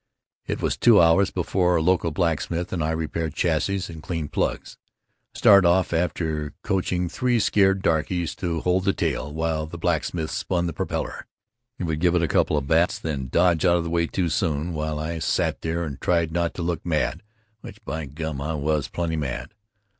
It was two hours before a local blacksmith and I repaired chassis and cleaned plugs. I started off after coaching three scared darkies to hold the tail, while the blacksmith spun the propeller. He would give it a couple of bats, then dodge out of the way too soon, while I sat there and tried not to look mad, which by gum I was plenty mad.